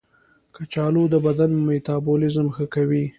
کچالو د بدن میتابولیزم ښه کوي.